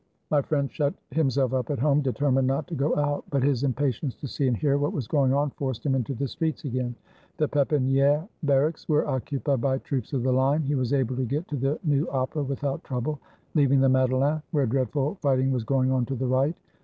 My friend shut himself up at home, determined not to go out. But his impatience to see and hear what was going on forced him into the streets again. The Pepi niere barracks were occupied by troops of the line; he was able to get to the New Opera without trouble, leav ing the Madeleine, where dreadful fighting was going on, to the right.